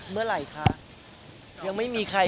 เมื่อไหร่คะ